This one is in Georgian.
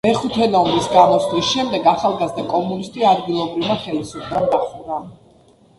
მეხუთე ნომრის გამოსვლის შემდეგ „ახალგაზრდა კომუნისტი“ ადგილობრივმა ხელისუფლებამ დახურა.